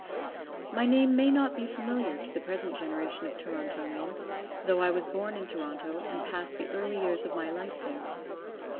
My name may not be familiar to the present generation of Torontonians, though I was born in Toronto, and passed the early years of my life there.